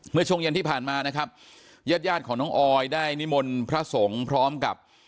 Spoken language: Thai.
เมื่อช่วงเย็นที่ผ่านมานะครับญาติญาติของน้องออยได้นิมนต์พระสงฆ์พร้อมกับ